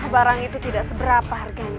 barang itu tidak seberapa harganya